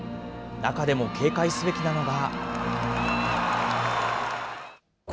中でも警戒すべきなのが。